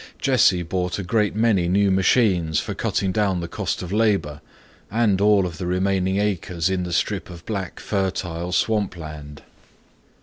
Jesse bought a great many new machines for cutting down the cost of labor and all of the remaining acres in the strip of black fertile swamp land.